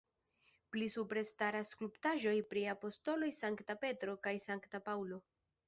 Pli supre staras skulptaĵoj pri apostoloj Sankta Petro kaj Sankta Paŭlo.